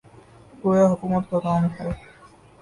گویا حکومت کا کام ہے۔